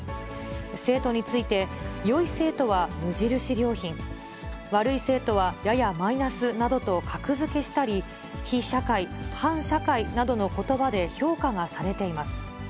生徒について、よい生徒は無印良品、悪い生徒はややマイナスなどと格付けしたり、非社会、反社会などのことばで評価がされています。